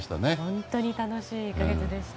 本当に楽しい１か月でした。